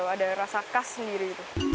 ya beda ada rasa khas sendiri